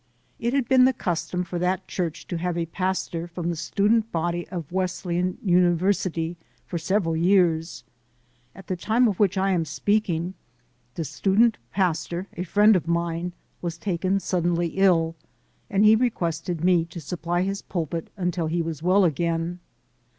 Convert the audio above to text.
It had been the custom for that church to have a pastor from the student body of Wesleyan University for several years. At the time of which I am speaking, the student pastor, a friend of mine, was taken sud denly ill, and he requested me to supply his pulpit until he v/as well again.